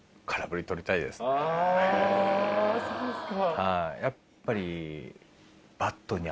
はいやっぱり。